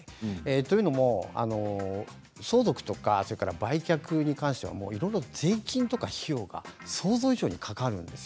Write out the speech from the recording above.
というのも相続や売却に関してはいろいろ税金とか費用が想像以上にかかるんです。